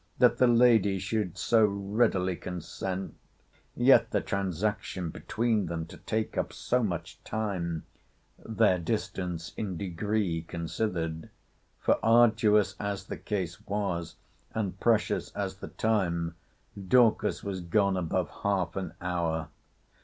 That the lady should so readily consent! Yet the transaction between them to take up so much time, their distance in degree considered: for, arduous as the case was, and precious as the time, Dorcas was gone above half an hour!